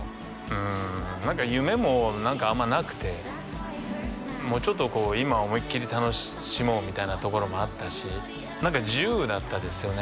うん何か夢もあんまなくてもうちょっとこう今を思いっきり楽しもうみたいなところもあったし何か自由だったですよね